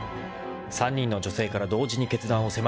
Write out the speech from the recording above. ［３人の女性から同時に決断を迫られている］